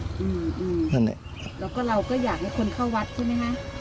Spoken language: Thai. อืมอืมอืมแล้วเราก็อยากให้คนเข้าวัดใช่ไหมครับ